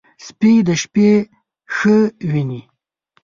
سپي د شپې ښه ویني.